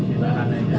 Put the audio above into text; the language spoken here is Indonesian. pasang di bukannya